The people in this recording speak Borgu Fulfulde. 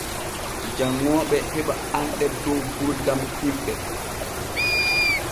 Janŋooɓe heɓa anɗe dow gurdam himɓe.